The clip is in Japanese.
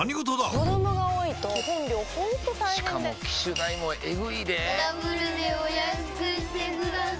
子供が多いと基本料ほんと大変でしかも機種代もエグいでぇダブルでお安くしてください